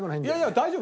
大丈夫。